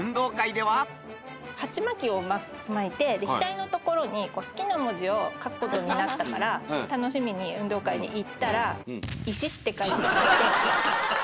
ハチマキを巻いて額のところに好きな文字を書く事になったから楽しみに運動会に行ったら「石」って書いてあって。